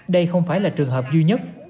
đây không phải là trường hợp duy nhất